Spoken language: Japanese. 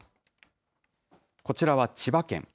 こちらは千葉県。